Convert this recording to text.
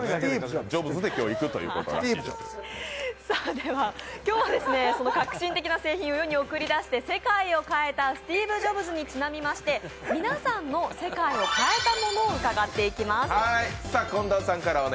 では、今日、その革新的な製品を世に送り出した世界を変えたスティーブ・ジョブズにちなみまして皆さんの世界を変えたものを伺っていきます。